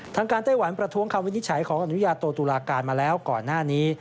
ทางการไต้หวันประท้วงคำวินิจฉัยของอนุญาโตตุลาการมาแล้วก่อนหน้านี้